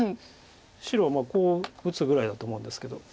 白はこう打つぐらいだと思うんですけど。